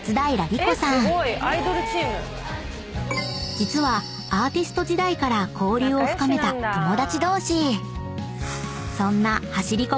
［実はアーティスト時代から交流を深めた友達同士］